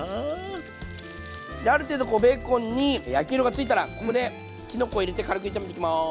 ある程度こうベーコンに焼き色がついたらここできのこを入れて軽く炒めていきます。